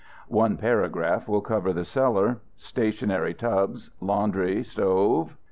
One paragraph will cover the cellar. Stationary tubs, laundry stove.